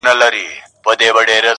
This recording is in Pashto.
دا پېغلتوب مي په غم زوړکې،